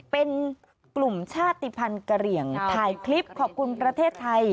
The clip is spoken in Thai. เป็นกลุ่มชาติภัณฑ์กระเหลี่ยงถ่ายคลิปขอบคุณประเทศไทย